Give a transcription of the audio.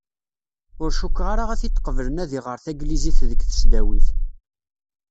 Ur cukkeɣ ara ad t-id-qeblen ad iɣer taglizit deg tesdawit.